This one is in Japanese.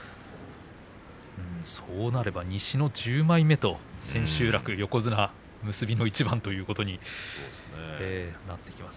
そうなれば西の１０枚目と千秋楽横綱結びの一番ということになってきます。